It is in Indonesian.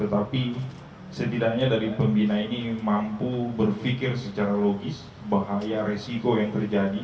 tetapi setidaknya dari pembina ini mampu berpikir secara logis bahaya resiko yang terjadi